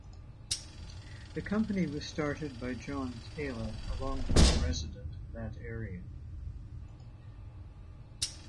This company was started by John Taylor, a long-time resident of that area.